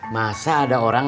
masa ada orang